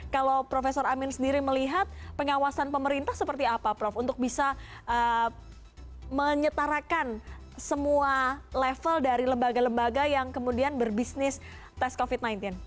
kalau prof amin sendiri melihat pengawasan pemerintah seperti apa prof untuk bisa menyetarakan semua level dari lembaga lembaga yang kemudian berbisnis tes covid sembilan belas